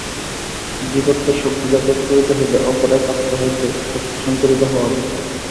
জীবাত্মার শক্তি জাগ্রত করিতে হইলে অপর এক আত্মা হইতে শক্তি সঞ্চারিত হওয়া আবশ্যক।